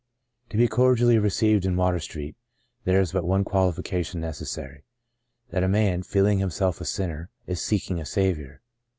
To be cordially received in Water Street, there is but one qualification necessary — that a man, feeling himself a sinner, is seeking a Saviour.